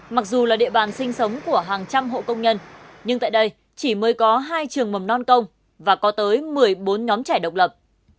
mặc dù là địa bàn sinh sống của hàng trăm hộ công nhân nhưng tại đây chỉ mới có hai trường mầm non công và có tới một mươi bốn nhóm trẻ độc lập